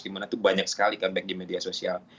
di mana tuh banyak sekali comeback di media sosial